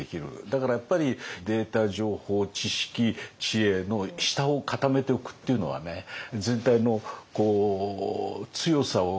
だからやっぱりデータ情報知識知恵の下を固めておくというのは全体の強さを生み出すもとですよね。